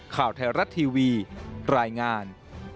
ข่าวไทยรัฐทีวีรายงาน